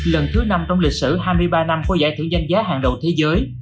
lần thứ năm trong lịch sử hai mươi ba năm của giải thưởng danh giá hàng đầu thế giới